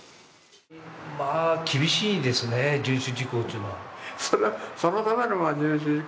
厳しいですね、遵守事項というのは。